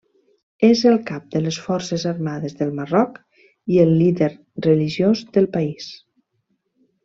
És el cap de les Forces armades del Marroc i el líder religiós del país.